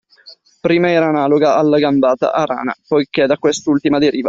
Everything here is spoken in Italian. Prima era analoga alla gambata a rana (poichè da quest’ultima deriva)